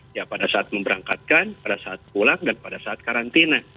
ya pada saat memberangkatkan pada saat pulang dan pada saat karantina